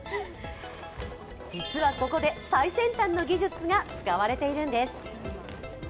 実はここで最先端の技術が使われているんです。